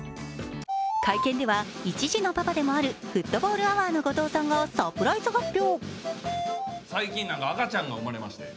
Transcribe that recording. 会見では一児のパパでもあるフットボールアワーの後藤さんがサプライズ発表。